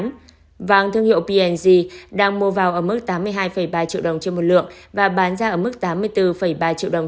giá vàng thương hiệu png đang mua vào ở mức tám mươi hai ba triệu đồng trên một lượng và bán ra ở mức tám mươi bốn ba triệu đồng